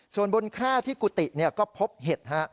ส่วนบนแคร่ที่กุฏิก็พบเห็ดฮะ